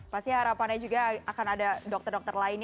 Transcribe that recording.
pasti harapannya juga akan ada dokter dokter lainnya